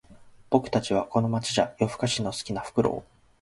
僕たちはこの街じゃ夜ふかしの好きなフクロウ